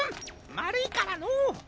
まるいからのう。